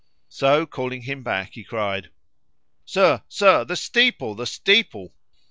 So calling him back, he cried "Sir! sir! The steeple! the steeple!"